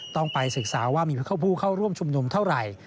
ต้องไปศึกษาว่ามีผู้เข้าร่วมชุมนุมเท่าไหร่